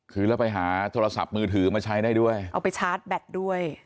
คือแล้วไปหาโทรศัพท์มือถือมาใช้ได้ด้วยเอาไปชาร์จแบตด้วย